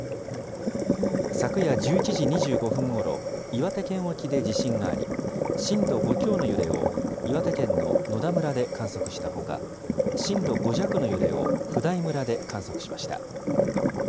昨夜１１時２５分ごろ、岩手県沖で地震があり、震度５強の揺れを岩手県の野田村で観測したほか、震度５弱の揺れを普代村で観測しました。